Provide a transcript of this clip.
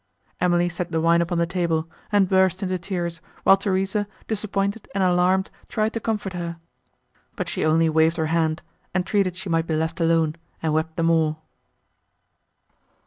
Emily set the wine upon the table, and burst into tears, while Theresa, disappointed and alarmed, tried to comfort her; but she only waved her hand, entreated she might be left alone, and wept the more.